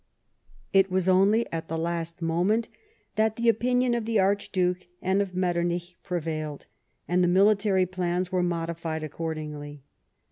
It was only at the last moment that the opinion of the Archduke and of Metternich prevailed, and the military plans were modified accordingly.